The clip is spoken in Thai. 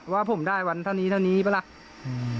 ว่าผมได้วันเท่านี้เท่านี้ปะล่ะ